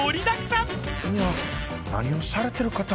何をされてる方？